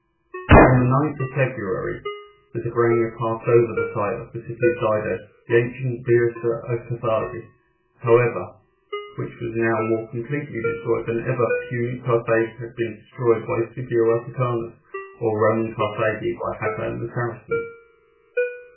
On the 9th of February the Dobryna passed over the site of the city of Dido, the ancient Byrsa a Carthage, however, which was now more completely destroyed than ever Punic Carthage had been destroyed by Scipio Africanus or Roman Carthage by Hassan the Saracen.